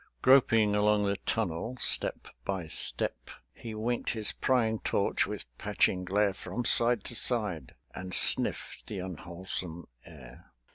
Groping along the tunnel, step by step, He winked his prying torch with patching glare From side to side, and sniffed the unwholesome air.